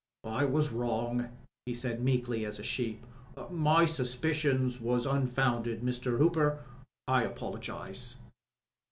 "I was wrong," he said meekly as a sheep. "My suspicions was unfounded. Mr. Hooper, I apologise."